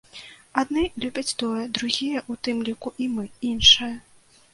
Адны любяць тое, другія, у тым ліку і мы, іншае.